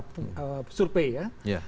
di beberapa surpe ya